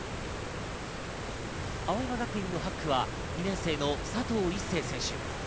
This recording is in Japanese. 青山学院の８区は２年生の佐藤一世選手。